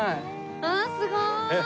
あっすごい！